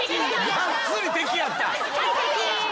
がっつり敵やった。